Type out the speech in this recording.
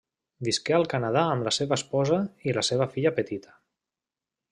Visqué al Canadà amb la seva esposa i la seva filla petita.